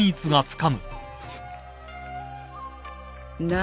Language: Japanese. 何？